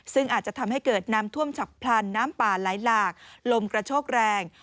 ซึ่งอาจจะทำให้เกิดน้ำท่วมฉับพลันน้ำป่าไหลหลากลมกระโชกแรง